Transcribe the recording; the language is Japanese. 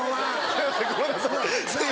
すいませんごめんなさい。